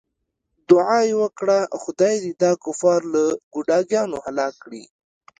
دعا یې وکړه خدای دې دا کفار له ګوډاګیانو هلاک کړي.